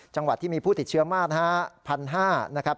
จังหวัดที่มีผู้ติดเชื้อมากนะครับ๑๕๐๐นะครับ